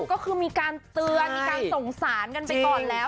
ก็คือมีการเตือนมีการส่งสารกันไปก่อนแล้ว